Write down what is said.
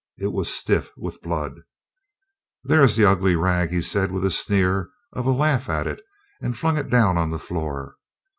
It was stiff with blood. "There is the ugly rag," said he with a sneer of a laugh at it and flung it down on the floor.